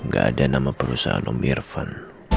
gak ada nama perusahaan om irfan